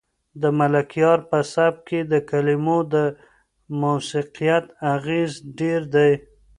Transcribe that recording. د ملکیار په سبک کې د کلمو د موسیقیت اغېز ډېر دی.